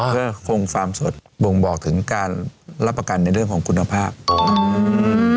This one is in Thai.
เพื่อคงฟาร์มสดบ่งบอกถึงการรับประกันในเรื่องของคุณภาพ